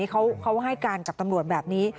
เขาให้การกับตำรวจแบบนี้